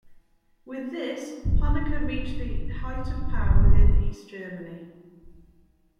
With this, Honecker reached the height of power within East Germany.